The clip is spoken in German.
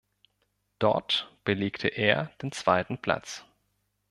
Dort belegte er den zweiten Platz.